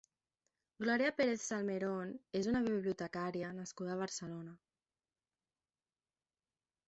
Glòria Pérez-Salmerón és una bibliotecària nascuda a Barcelona.